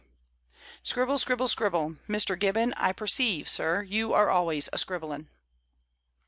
"Scribble, scribble, scribble; Mr. Gibbon, I perceive, sir, you are always a scribbling."